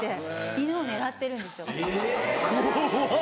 犬を狙ってるんですよだから。